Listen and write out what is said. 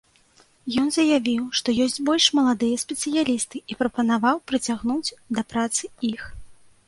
Ён заявіў, што ёсць больш маладыя спецыялісты, і прапанаваў прыцягнуць да працы іх.